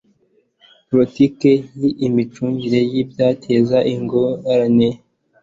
politiki y imicungire y ibyateza ingorane